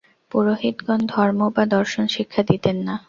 পুরোহিতগণ ধর্ম বা দর্শন শিক্ষা দিতেন না।